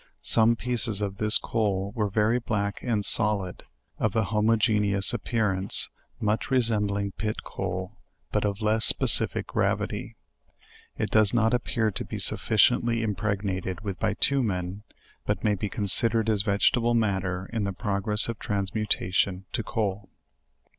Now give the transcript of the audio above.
Some pieces of this coal were very black and solid, of an homogeneous appearance, much resembling pit coal, but of less specific gravity. It does not appear to be sufficiently impregnated with bitumen, but may be considered as vegetable matter in the progress of transmutation to coal.